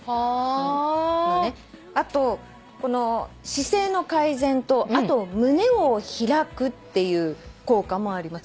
あとこの姿勢の改善とあと胸を開くっていう効果もあります。